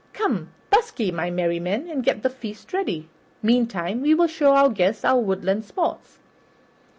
Come, busk ye, my merry men, and get the feast ready. Meantime, we will show our guests our woodland sports."